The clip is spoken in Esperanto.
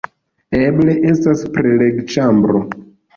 Eble estas preleg-ĉambro